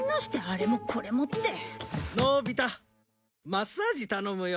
マッサージ頼むよ。